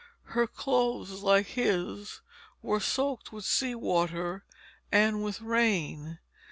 Her clothes, like his, were soaked with sea water and with rain.